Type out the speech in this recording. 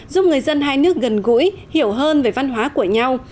giúp người dân hai nước gần gũi hiểu hơn về văn hóa của nhau